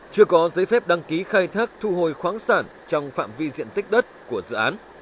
chưa có giấy phép đăng ký khai thác thu hồi khoáng sản trong phạm vi diện tích đất của dự án